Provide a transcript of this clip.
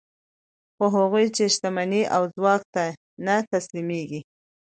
خو هغوی چې شتمنۍ او ځواک ته نه تسلیمېږي